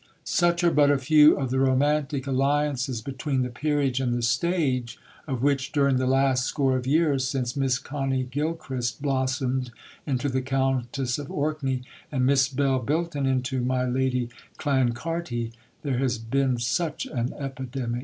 Such are but a few of the romantic alliances between the peerage and the stage, of which, during the last score of years, since Miss Connie Gilchrist blossomed into the Countess of Orkney and Miss Belle Bilton into my Lady Clancarty, there has been such an epidemic.